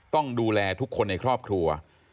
ต้องดูแลทุกคนในครอบครัว